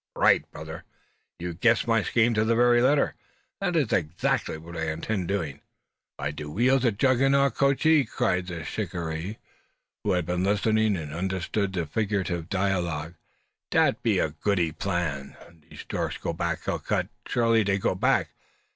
"Right, brother! you've guessed my scheme to the very letter. That is exactly what I intend doing." "By de wheeles ob Juggannaut coachee," cried the shikaree, who had been listening, and understood the figurative dialogue; "dat be da goodee plan. Dese stork go back Calcutt surely dey go back.